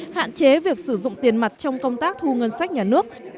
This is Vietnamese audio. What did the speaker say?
hạn chế việc sử dụng tiền mặt trong công tác thu ngân sách nhà nước